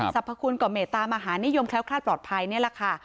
สรรพคุณก่อเมตตามหานิยมแคล้วคลาดปลอดภัยนี่แหละค่ะ